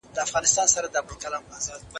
هغه غوښتل چي د موضوع په اړه خپله څېړنه بشپړه کړي.